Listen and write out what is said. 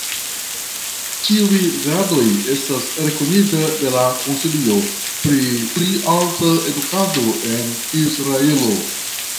Ĉiuj gradoj estas rekonita de la konsilio pri pli alta edukado en Israelo.